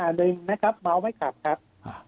อันหนึ่งนะครับเบาะไม่กลับครับ